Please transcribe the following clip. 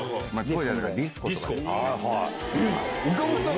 岡本さん